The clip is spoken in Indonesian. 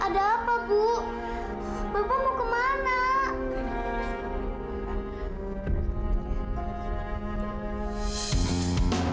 bapak mau kemana